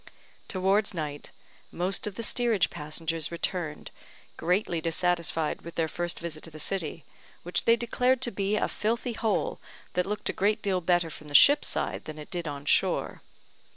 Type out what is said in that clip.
Towards night, most of the steerage passengers returned, greatly dissatisfied with their first visit to the city, which they declared to be a filthy hole, that looked a great deal better from the ship's side than it did on shore.